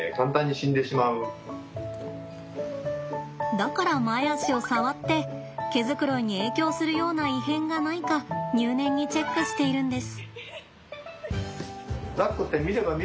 だから前足を触って毛づくろいに影響するような異変がないか入念にチェックしているんです。